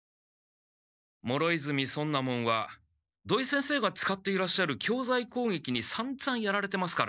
諸泉尊奈門は土井先生が使っていらっしゃる教材攻撃にさんざんやられてますから。